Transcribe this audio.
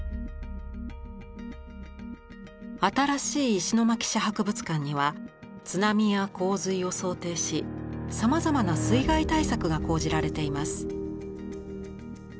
新しい石巻市博物館には津波や洪水を想定しさまざまな水害対策が講じられています。